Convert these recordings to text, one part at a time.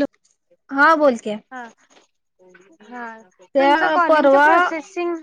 Hello हां बोल की हा हा तुमचं त्या कॉलिंगचं परवा प्रोसेसिंग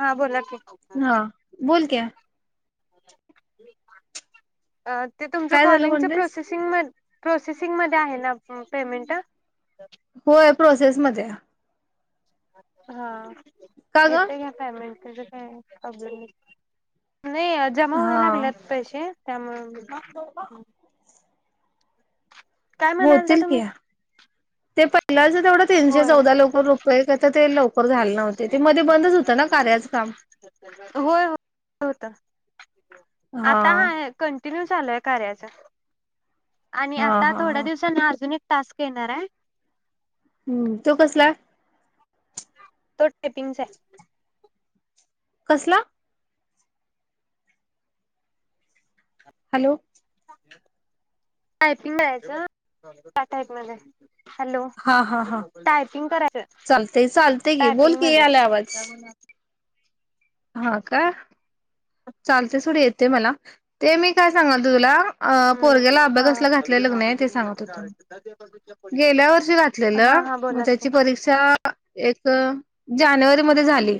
हा बोला की हा बोल की अ अ ते तुमचं काय झालं कॉलिंगच म्हटलीस प्रोसेसि सिंग मधे प्रोसेसिंग मध्ये आहे ना उम पेमेंट? होय प्रोसेस मध्येय हा का ग येतंय घ्या पॅमेंट तुझं काय अ ब्ल नाही नाही जमा व्हा हा लागल्यात पैसे त्यामुळं नई काय म्हणालत्या होतील तुम्ही? की ते पहिलाच अजून एवढ तीनशे होय चौदा लवकर रुपये का, तर ते लवकर झालं नव्हते ते ते मध्ये बंदच होतं ना कार्याच काम होय हो होत हा आता हाय कन कंटिन्यू चालूय कार्याचं आणि हा आता हा थोड्या हा दिवसांनी अजून एक टास्क येणार आहे. हम्म तो कसला? तो टायपिंगचा कसला? हॅलो. टायपिंग [unintelligible] त्या टाईप मध्ये हॅलो हा हा हा टायपिंग करायचं चालतय चालतय की बोल टायपिंग की मध्ये यायलाय आवाज हा का चालते सोड येते मला. ते मी काय सांगालतो तुला अ हम्म पोरग्याला अभ्या कसला हा घातलेलं क नाही ते सांगत होतो हा घेतलेलं हा मग बोला की त्याची परीक्षा एक अ जानेवारी मध्ये झाली.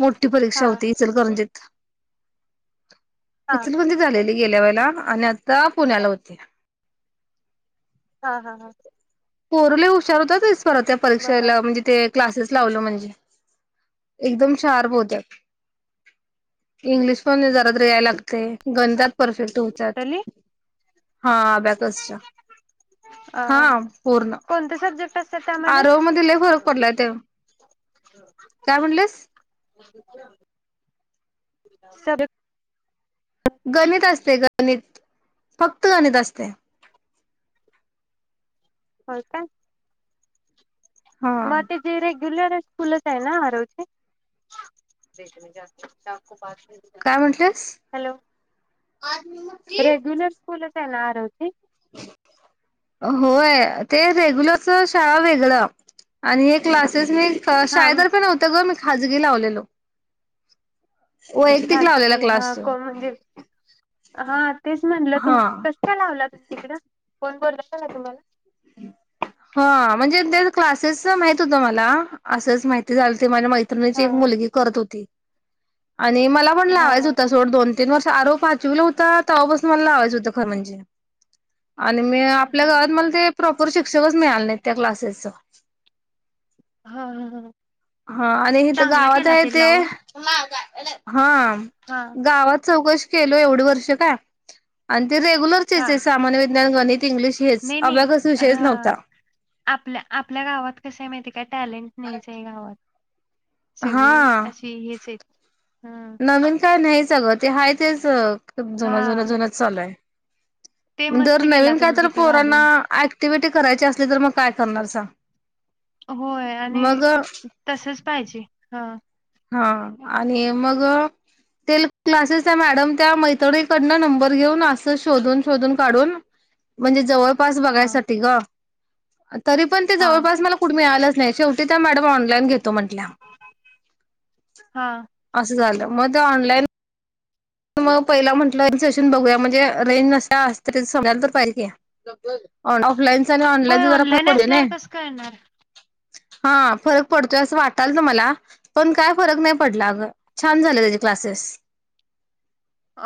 मोठी हा परीक्षा होती इचलकरंजीत. हा इचल म्हणजे झालेली गेल्या वेळेला आणि आत्ता पुण्याला होती. हा हा हा. पोर लई हुशार होताते स परत त्या बरं परीक्षेला म्हणजे ते क्लासेस लावलं म्हणजे एकदम शार्प होत्यात इंग्लिश पण जरा तरी याय लागते गणितात परफेक् तुमच्यात तली हा अबॅकसच्या अ हां कोणते सबजेक्ट अस आरव मध्ये लई फरक पडलाय तेव [inaudible] काय म्हणलिस. [unintelligible] गणित असतंय गणित फक्त गणित असतंय होय का? हा म तेची रेग्युलर स्कुलच आहे ना आरव ची रेग म्हणजे [unintelligible] काय म्हनेतेस. कूलच आहे ना आरवची. होय ते रेग्युलरच शाळा वेगळ आणि हे क्लासेस मी हा शाळेतर्फे नव्हतं ग मी खाजगी लावलेलो वैयक्तिक लावलेल्या खाजगी हा क्लासच कोण म्हणजे हा तेच म्हणलं तुम हा कस काय लावला तुम्ही तिकडं कोण बोललं त नाही तुम्हाला [inaudible] हा म्हणजे त्या च क्लासेस माहित होत मला असंच माहिती झालते माझ्या मैत् मैत्रिणीची एक हा मुलगी करत होती आणि मला पण हा लावायच हा होता सोड दोन तीन वर्ष आरो पाचवी लाव होता तेव्हा बसून मला लावायं होतं खर म्हणजे. आणि मी आपल्या हा गावात मला ते प्रॉपर शिक्षकच मिळाले नाहीत त्या क्लासेसच. हा हा हा हा आणि हेथ चांगलं गावात केला आहे ते लावून हा हा गावात चौकशी केल एवढे वर्ष काय आणि ते रेग्युलर हा चे [unintelligible] ्ञान गणित इंग्लिश हेच नाही नाही अबकस विषयच हा नव्हता. आपल्या, आपल्या गावात कस आहे माहिती आहे काय टॅलेंट नाहीच आहे गावात. सगळी हा अशी हेच आहे. हम नवीन काय नाहीच अगं ते हाय तेच जना जुन हा जन चालू आहे. ते मस्त जर गेला नवीन तुम्ही कायत तिथं पोराना घालून ऍक्टिव्हटी करायची असली तर मग काय करणार सांग. होय आणि मग तसच पाहिजे हा. हा आणि मग. ते क्लासेस त्या मॅडम त्या मैत्रिणीकडन नंबर घेऊन असं शोधून शोधून काढून. म्हणजे जवळपास हा बघायसाठी ग तरी पण ते हा जवळपास मला. कुठ म आलं नाहीेवटी त्या मॅडम ऑनलाईन घेतो म्हटल्या. हा असं झालं मग ते ऑलाईन. मग पहिला म्हटशून बघूया म्हणजे रेंज नस अस तरी समजायला तर पाहिजे. ऑफलाईनच आणि होय ऑनलाईनच जरा ख ऑनलाईन करते असल्यावर नाही. कसं कळणार हा फरक पडतोय असं वाटाल त मला. पण काय फरक नाही पडला अग छान झालं त्याचे क्लासेस.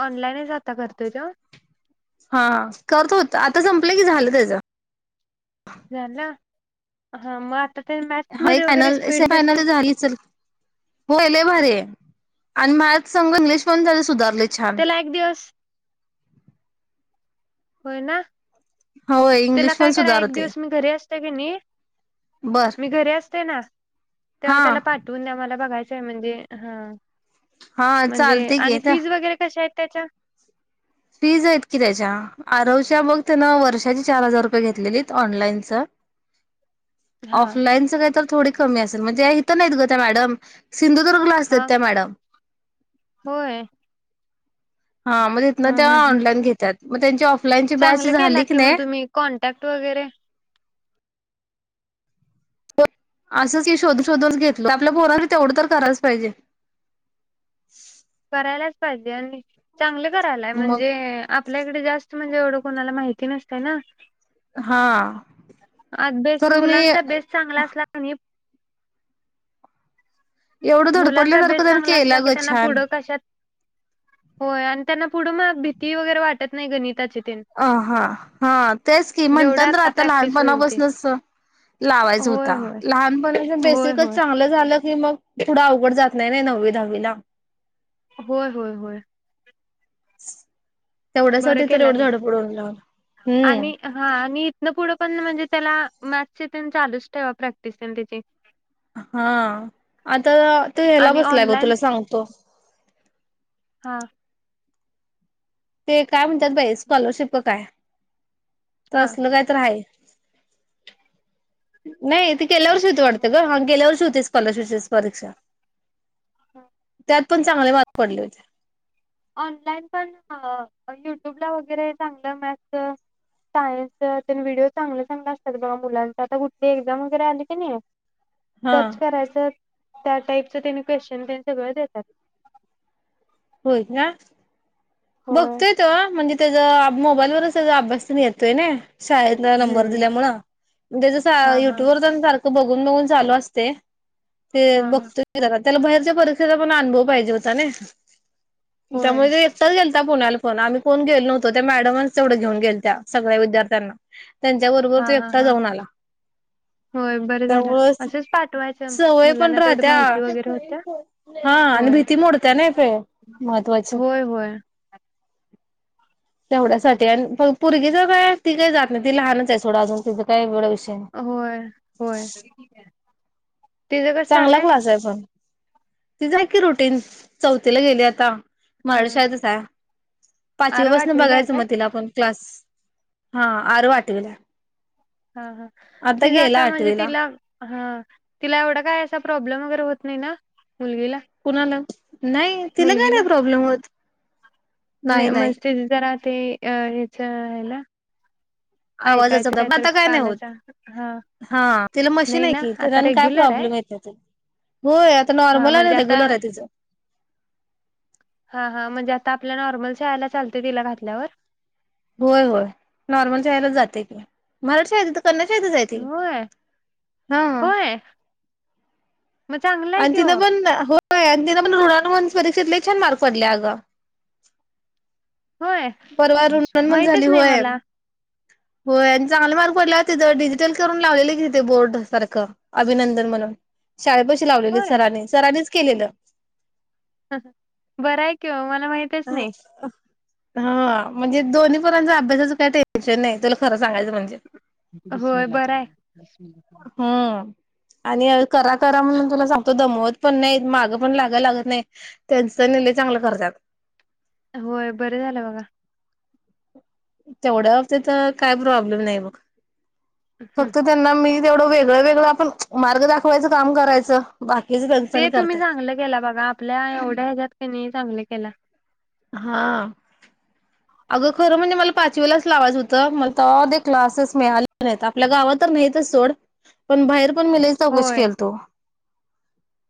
ऑनलाईन जाता करतय त- हा करतो होत आता संपलं की झालं त्याचं. झाला हा मग आता ते मॅथस हा एक मध्ये वगैरे फायनल स्पीड कशी आहे. [unintelligible] होले भरे आणि मला संग इंग्लिश पण झाले सुधारले छान. त्याला एक दिवस. होय ना होय त्याला इंग्लिश काय पण करा एक सुधारते. दिवस मी घरी असत की नाही. बर मी घरी असते ना तेव्हा हा. त्याला पाठ. तून आम्हाला बघायचं आहे म्हणजे हा. हा म्हणजे चालते आणि की त्या फीज वगैरे कशा आहेत त्याच्या. फीज आहेत की त्याच्या. आरवश मग त्यान वर्षाची चार हजार रुपये घेतलेली ऑनलाईनच. हा ऑफलाईनच काही तर थोडी कमी असेल म्हणजे इथं नाहीत ग त्या मॅडम. सिंधुदुर्ग ला असतात हा त्या मॅडम. होय. हा मग तथ ना हं ते हं हं ऑनलाईन घेतात मग त्यांची ऑफलाईनची बॅस चांगलं केला झाली की नाही. मग तुम्ही कॉन्टॅक्ट वगैरे. असंच की शोधून शोधूनच घेतल आपल्या बोलणार तेवढं तर करायच पाहिजे. करायलाच पाहिजे आणि चांगले करायलाय मग म्हणजे आपल्याकडे जास्त म्हणजे एवढं कोणाला माहिती नसतं ना. हा आ बेस खरं मी मुलांचा बेस. चांगला असला आणि. एवढं मुलांचा बेस धडपडल्यासारखं त्याने चांगला केला असला क ग त्यांना. छान कश होय आणि त्यांना पुढं मग भीती वगैरे वाटत नाही गणिताचे ते. अ हा हा तेच की जेवढं म्हणतात र आता प्रॅक्टिस होईल ते लहानपणापासूनच. लावायच होय होता होय लहानपणी होय बेसिकच होय चांगलं झालं की मग. थड अवघड जात नाही ना नववी दहावी ला. होय होय होय. बरं तेवढ्यासाठी तर केला एवढं ते झाडंपड लावलं हम्म. आणि हा आणि इथनं पुढं पण म्हणजे त्याला मॅथसचे चालूच ठेवा प्रॅक्टिस त्याची हा आता तो ह्यायला आणि बसलाय ग ऑनलाईन तुला सांगतो. हा. ते काय म्हणतात भाई स्कॉलरशिप काय. हा. असल काय तर आहे नाही त गल्या वर्षी हा हा हो वा गेल्या वर्षी होॉलरशप पक्षा. हा. पण चांगले मारग पडले होते. ऑनलाइन पण युट्यूब ला वगैरे चांगलं मत. सायन्स त्यां व्हिडिओ चांगले चांगलं असतात बघ मुलांचा आता कुठे एक्झाम वगैरे आली की नाही. हा सर्च करायचं त्या टाईपच त्यां क्वेशचन पेन सगळं देतात. होय का होय बघतोय त म्हणजे त्या मोबाईलवरच अभेतोय शाळ नंबर हम्म दिल्या त्या हा हा युट्यूब बघून बघून चालू असते ते हा बघ हा त्याला बाहेरच्या परीक्षेचा पण अनुभव पाहिजे होता ना होय त्यामुळे च गेलता प पुण्याला फोन आम्ही कोण गेलोवतो त्या मॅडमचवढ घेऊन गेल त्या सग्याद्यार्थ्यांना. त्यांच्या बरोबर हा तो हा एकटा हा. जाऊन आला. होय बरं त्याव झालं असंच पाठवायचं सवय पण मुलांना तेवढं राहत्या. माहिती वगैरे होत्या. हा आणि होय भीती मोडते ना फे होय होय. तेवढ्यासाठीठी आणि प पर्गी ज काय ती काही जात नाही ती लहानच आहे थोडं अजून तिचां काय वेगळा विषय नाही. होय होय. तिचं कसं चांगला चालय क्लास आहे पण तिचय की रुटीन चौथीला गेली आता. मराठी ह शाळेत असे आरव पाचवीपसून आठवीला आहे बघायचं काय मग तिला आपण क्लास हा आरव आठवीला हा हा आता तेी गेला जाता म्हणजे आठवीला तिला हा तिला एवढा काय असा प्रॉब्लेम वगैरे होत नाही ना मुलगीला कुणाला नाही तिला काय मुलगीला नाही प्रॉब्लेम होत. नाही मस्ती तिथ राहते अ याच ह्याला आवाजाचा ऐकायचं काय पण तर आता नाही होत कानाच्या हा हा तिला मशीन नाही आहे ना की आता त्यान काय रेग्युलर आहे प्रॉब्लेम येत त होय आता हा नॉर्मल आहे म्हणजे आता रेग्युलर आहे तिचं हा हा म्हणजे आता आपल्या नॉर्मल शहायला चालते तिला घातल्यावर होय होय नॉर्मल शायला जाते कि मराठी शाळेेत सन्याशळथ जायथ होय हा होय मग चांगला आहे आणि कि ओ तिनं पण होय आणि तिनं पण ऋवन परीक्षेतले छान मार्क पडले अगं होय परवा रुनमण झाली माहितच नाही होय. मला होय आणि चांगले मार्क पडला होते तर डिजिटल करून लावलेले तिथे बोर्ड सारखं अभिनंदन म्हणून शाळेपशी लावलेले होय सराांनी सराांनीच केलेलं. बरं आहे किं मला माहितच नाही. हा म्हणजे दोन्ही पर्ांच अभ्यासाचं काही टेन्शन नाही तुला खरं सांगायचं म्हणजे होय बर आहे. हा आणि करा करा म्हणून तुला सांगतो दमवत पण नाही मागं पण लागा लागत नाही. त्यांचा निर्णय चांगला करतात. होय बरे झालं बघा तेवढ्या हफते तर काय प्रॉब्लेम नाही बघ फक्त त्यांना मी तेवढं वेगळं वेगळं आपण मार्ग दाखवायचं काम करायचं बाकीच कनसन ते तुम्ही करताय. चांगलं गेला बघा आपल्या एवढ्या ह्याच्यात क नाही चांगले केला. हा अगं खरं म्हणजे मला पाचवीलाच लावायचं होतं मला तर ते क्लासेस मिळाले नाही. आपल्या गाव तर नाहीतच सोड पण बाहेर पण मलाई चौकशी होय केलतो.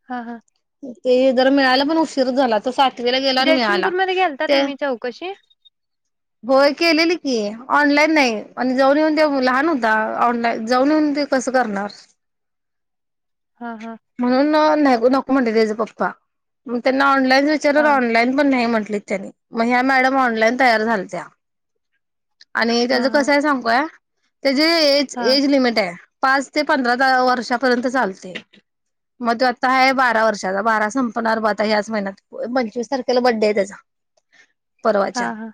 हा हा ते जर मिळाला पण उशीर झाला तर सातवीला गेला आणि मिळाला ते कसे होय केलेली की ऑनलाईन नाही आणि जाऊन येऊन ते लहान होता ऑनलाईन जाऊन येऊन ते कसं करणार हा हा म्हणून नू नको म्हण त्या पप्पा त्यांना ऑनलान विचारल हा ऑनलाईन पण नाही म्हटलीत त्यानी मग ह्या मॅडम ऑनलाईन तयार झालत्या आणि हा त्याचं हा कसं आहे सांगू काय त्याची एज हा एज लिमिट आहे. पाच ते पंधरा वर्षापर्यंत चालते. मग तो आता आहे बारा वर्षाचा बारा संपणार बग आता ह्याच महिन्यात. होय पंचवीस तारखेला बड्डे आहे त्याचा. [inaudible] हा परवाच्या हा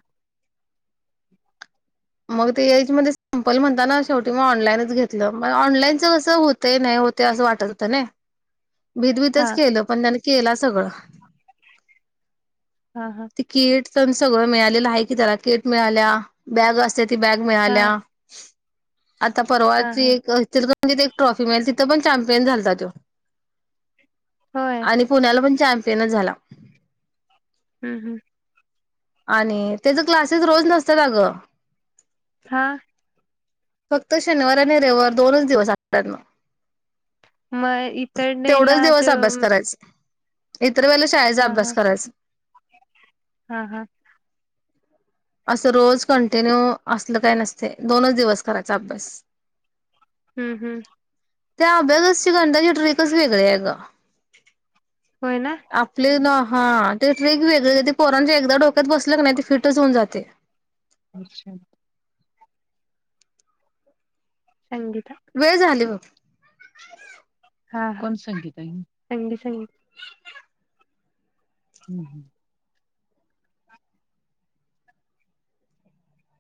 मग ते एज मध्ये संपल म्हणताना शेवटी मी ऑनलाईनच घेतलं मग ऑनलाईनच कसं होत होतय नाय होतय असं वाटलंत नाय [inaudible] भीत हा भीतच केलं पण त्याने केला सगळं हा हा. कीट तेन सगळं मिळालेलं आहे की त्याला किट मिळाल्या बॅग असत्या ती बॅग हा मिळाल्या. आता हा परवाची हा एक [unintelligible] म्हणजे एक ट्रॉफी मिळेल तिथं पण चॅम्पियन झालता तो. होय आणि पुण्याला पण चॅम्पियनच झाला. हम् हम. आणि त्याचं क्लासेस रोज नसत्यात अगं हा? फक्त शनिवार आणि रविवार दोनच दिवस आठवड्यातन मग इतरडेला तेवढच त दिवस अभ्यास करायच इतर वेळे शाळेचा हा हा अभ्यास करायच. हा हा. असं रोज कंटिन्यू असलं काय नसतय दोनच दिवस करायचा अभ्यास. हम्म हम्म. त्या अभ्यागस [unintelligible] गंधाची ट्रिकच वेगळा आहे आग होय ना? आपले ना हा ते ट्रेक वेगळे ते पोरांच्या एकदा डोक्यात बसल क नाही ते फिटच होऊन जात ते अच्छा [unintelligible] संगीता वेळ झाली हो हा कोण संगीता ही संगी संगी हम् हम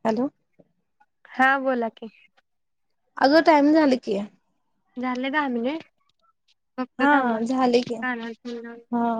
हॅलो हा बोला की. अगो टाइम झाल कि. झालं का दहा मिनिट बघतो हा थांबा झाले की चालू राह हा.